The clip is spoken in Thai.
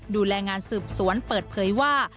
ดูแลงานสืบสวนเปิดเผยว่า